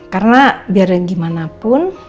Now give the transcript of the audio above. karena biar yang gimana pun